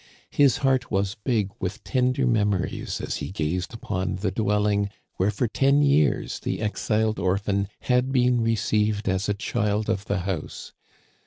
His heart was big with tender memories as he gazed upon the dwelling where for ten years the exiled orphan had been received as a child of the house.